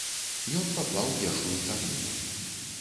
Ён паклаў першую цагліну.